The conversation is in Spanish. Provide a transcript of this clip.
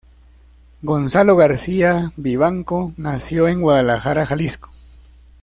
Gonzalo García Vivanco nació en Guadalajara, Jalisco.